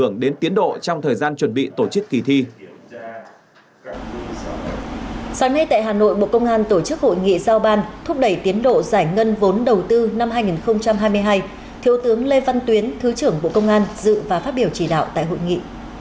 sáng nay tại hà nội bộ công an tổ chức hội nghị giao ban thúc đẩy tiến độ giải ngân vốn đầu tư năm hai nghìn hai mươi hai thiếu tướng lê văn tuyến thứ trưởng bộ công an dự và phát biểu chỉ đạo tại hội nghị